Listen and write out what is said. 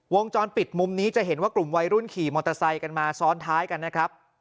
วงจรปิดมุมนี้จะเห็นว่ากลุ่มวัยรุ่นขี่มอเตอร์ไซค์กันมาซ้อนท้ายกันนะครับ